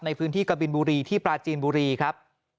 ในพื้นที่กบินบุรีที่ปราจีนบุรีครับ